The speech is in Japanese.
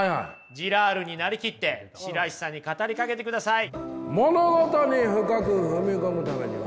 ジラールに成りきって白石さんに語りかけてください。